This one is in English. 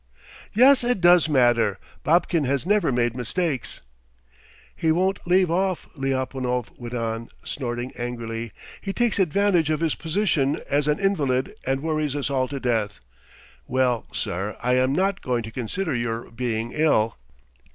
"Yes, it does matter. Babkin has never made mistakes." "He won't leave off," Lyapunov went on, snorting angrily. "He takes advantage of his position as an invalid and worries us all to death. Well, sir, I am not going to consider your being ill."